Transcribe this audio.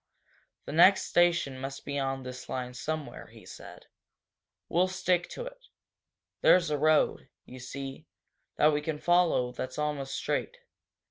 "The next station must be on this line somewhere," he said. "We'll stick to it. There's a road, you see, that we can follow that's almost straight.